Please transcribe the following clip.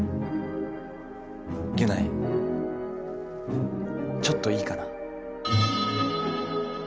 ギュナイちょっといいかな。